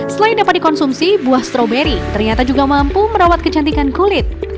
selain dapat dikonsumsi buah stroberi ternyata juga mampu merawat kecantikan kulit